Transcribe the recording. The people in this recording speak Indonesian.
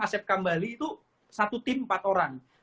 asep kambali itu satu tim empat orang